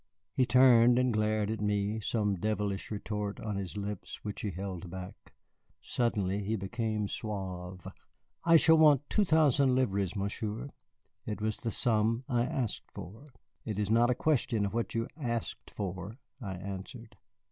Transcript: He turned and glared at me, some devilish retort on his lips which he held back. Suddenly he became suave. "I shall want two thousand livres Monsieur; it was the sum I asked for." "It is not a question of what you asked for," I answered.